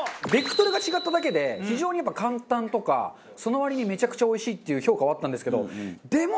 非常にやっぱ簡単とかその割にめちゃくちゃおいしいっていう評価はあったんですけどでも